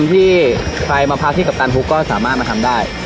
ที่ใครมาพักที่กัปตันฮุกก็สามารถมาทำได้